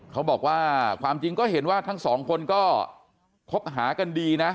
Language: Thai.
เขาบอกว่าความจริงก็เห็นว่าทั้งสองคนก็คบหากันดีนะ